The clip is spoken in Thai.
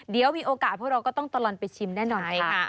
เดี๋ยวมีโอกาสพวกเราก็ต้องตลอดไปชิมแน่นอนค่ะ